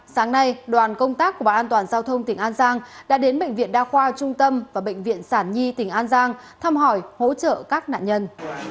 sáng nay đoàn công tác của ban an toàn giao thông tỉnh an giang đã đến bệnh viện đa khoa trung tâm và bệnh viện sản nhi tỉnh an giang thăm hỏi hỗ trợ các nạn nhân